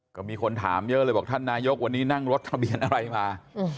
ก็มีคนถามเยอะเลยบอกท่านนายกวันนี้นั่งรถทะเบียนอะไรมา